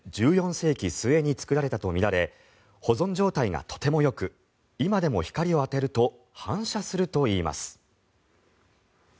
世紀末に作られたとみられ保存状態がとてもよく今でも、光を当てると反射するといいます。